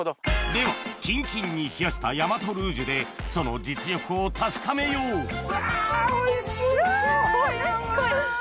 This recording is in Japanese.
ではキンキンに冷やした大和ルージュでその実力を確かめようわおいしそうやわ。